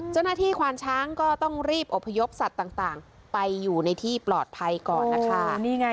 ควานช้างก็ต้องรีบอบพยพสัตว์ต่างไปอยู่ในที่ปลอดภัยก่อนนะคะ